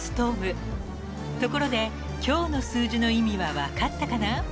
［ところで今日の数字の意味は分かったかな？］